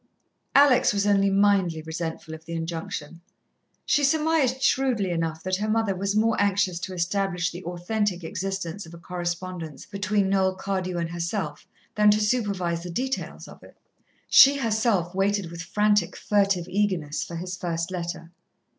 Alex was only mildly resentful of the injunction. She surmised shrewdly enough that her mother was more anxious to establish the authentic existence of a correspondence between Noel Cardew and herself than to supervise the details of it. She herself waited with frantic, furtive eagerness for his first letter.